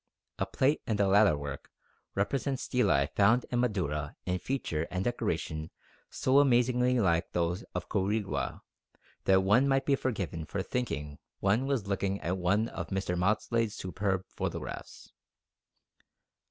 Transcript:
A plate in the latter work represents stelae found in Madura in feature and decoration so amazingly like those of Quirigua that one might be forgiven for thinking one was looking at one of Mr. Maudslay's superb photographs.